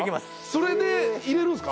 それで入れるんですか？